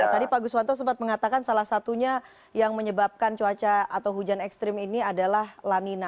tadi pak guswanto sempat mengatakan salah satunya yang menyebabkan cuaca atau hujan ekstrim ini adalah lanina